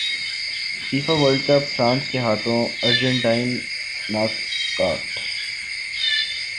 FIFA World Cup France کے ہاتھوں Argentine knock out